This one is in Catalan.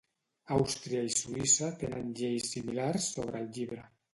Àustria i Suïssa tenen lleis similars sobre el llibre.